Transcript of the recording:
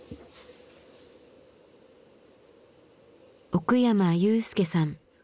奥山雄介さん。